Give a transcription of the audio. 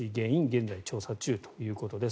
現在調査中ということです。